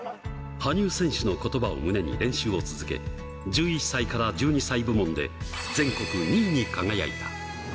羽生選手のことばを胸に練習を続け、１１歳から１２歳部門で、全国２位に輝いた。